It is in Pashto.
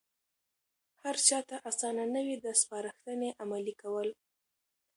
هرچاته آسانه نه وي د سپارښتنې عملي کول.